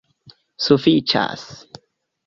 sufiĉas